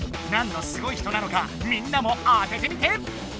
何のすごい人なのかみんなも当ててみて。